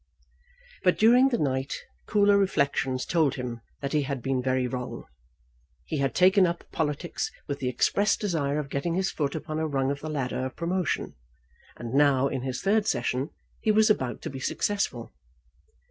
But during the night cooler reflections told him that he had been very wrong. He had taken up politics with the express desire of getting his foot upon a rung of the ladder of promotion, and now, in his third session, he was about to be successful.